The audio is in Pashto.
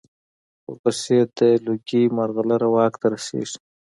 ورپسې د لوګي مرغلره واک ته رسېږي.